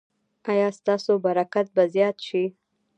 ایا ستاسو برکت به زیات شي؟